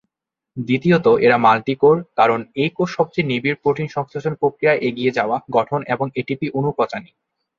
দ্বিতীয়ত, এটা মাল্টি-কোর, কারণ এই কোষ সবচেয়ে নিবিড় প্রোটিন সংশ্লেষণ প্রক্রিয়া এগিয়ে যাওয়া, গঠন এবং এটিপি অণু পচানি।